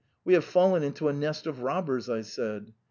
We have fallen into a nest of robbers,' I said.